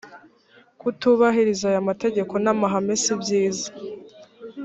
kutubahiriza aya mategeko n amahame sibyiza